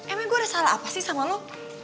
emang gue ada salah apa sih sama lo